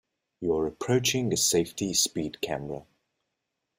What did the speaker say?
You are approaching a safety speed camera.